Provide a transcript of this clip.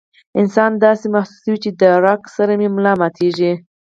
انسان داسې محسوسوي چې د ړق سره مې ملا ماتيږي